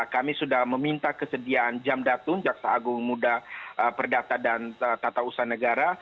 kami sudah meminta kesediaan jam datun jaksa agung muda perdata dan tata usaha negara